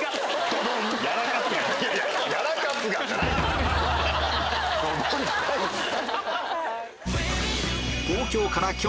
「ドドン」じゃないですよ。